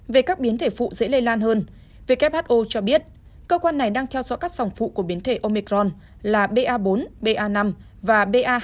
về các biến thể phụ dễ lây lan hơn who cho biết cơ quan này đang theo dõi các sòng phụ của biến thể omicron là ba bốn ba năm và ba hai nghìn một trăm hai mươi một